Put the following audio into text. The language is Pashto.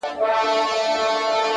• ورځيني ليري گرځــم ليــري گــرځــــم،